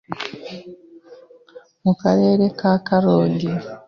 mu Karere ka Karongi